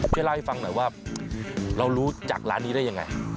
ช่วยเล่าให้ฟังหน่อยว่าเรารู้จักร้านนี้ได้ยังไง